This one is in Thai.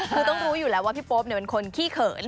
คือต้องรู้อยู่แล้วว่าพี่โป๊ปเป็นคนขี้เขิน